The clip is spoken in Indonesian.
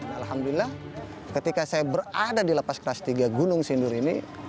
alhamdulillah ketika saya berada di lapas kelas tiga gunung sindur ini